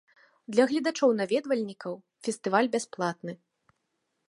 Для гледачоў-наведвальнікаў фестываль бясплатны.